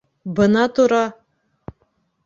Бына тора!